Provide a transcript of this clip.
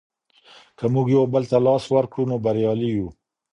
که موږ یو بل ته لاس ورکړو نو بریالي یو.